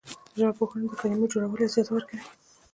ژبپوهنه د کلمو جوړول اجازه ورکوي.